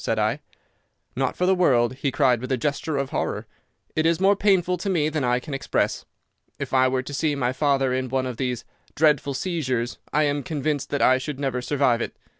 said I. "'Not for the world,' he cried with a gesture of horror. 'It is more painful to me than I can express. If I were to see my father in one of these dreadful seizures I am convinced that I should never survive it.